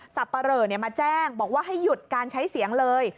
ปะเหลอมาแจ้งบอกว่าให้หยุดการใช้เสียงเลย